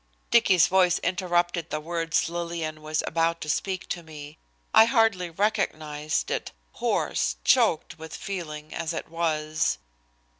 Dicky's voice interrupted the words Lillian was about to speak to me. I hardly recognized it, hoarse, choked with feeling as it was.